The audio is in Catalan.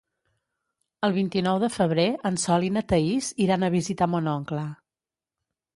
El vint-i-nou de febrer en Sol i na Thaís iran a visitar mon oncle.